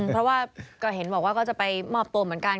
เพราะว่าก็เห็นบอกว่าก็จะไปมอบตัวเหมือนกัน